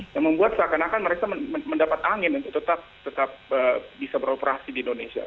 yang membuat seakan akan mereka mendapat angin untuk tetap bisa beroperasi di indonesia